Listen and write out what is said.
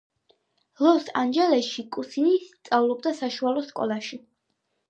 ლოს-ანჟელესში კუნისი სწავლობდა საშუალო სკოლაში.